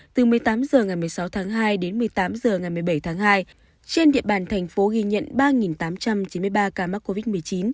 từ một mươi tám h ngày một mươi sáu tháng hai đến một mươi tám h ngày một mươi bảy tháng hai trên địa bàn thành phố ghi nhận ba tám trăm chín mươi ba ca mắc covid một mươi chín